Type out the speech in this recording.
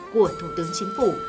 của thủ tướng chính phủ